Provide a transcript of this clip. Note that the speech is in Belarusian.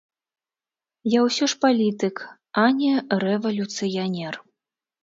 Я ўсе ж палітык, а не рэвалюцыянер.